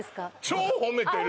超褒めてるわよ